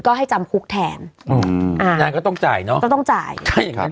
ก็ให้จำคุกแทนอืมอ่าก็ต้องจ่ายเนอะก็ต้องจ่ายใช่ครับ